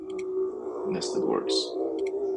Nested works